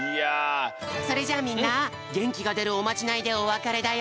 それじゃあみんなげんきがでるおまじないでおわかれだよ！